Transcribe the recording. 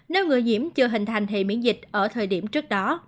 nếu người nhiễm chưa hình thành hệ miễn dịch ở thời điểm trước đó